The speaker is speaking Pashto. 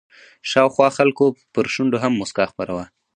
شاوخوا خلکو پر شونډو هم مسکا خپره وه.